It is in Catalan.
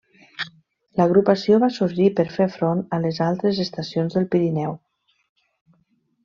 L'agrupació va sorgir per fer front a les altres estacions del Pirineu.